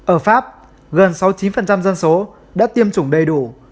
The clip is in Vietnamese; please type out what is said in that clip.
ở pháp gần sáu mươi chín dân số đã tiêm chủng đầy đủ